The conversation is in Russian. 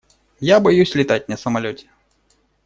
Я боюсь летать на самолёте.